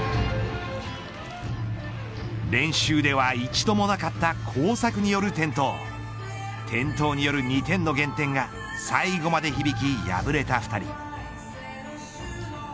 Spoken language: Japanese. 練習では一度もなかった交錯による転倒による２点の減点が最後まで響き、敗れた２人。